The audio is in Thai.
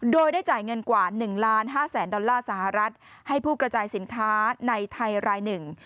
โดยได้จ่ายเงินกว่า๑ล้าน๕แสนดอลลาร์สหรัฐให้ผู้กระจายสินค้าในไทยรายหนึ่ง